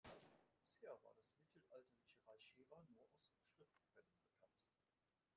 Bisher war das mittelalterliche Reich Shewa nur aus Schriftquellen bekannt.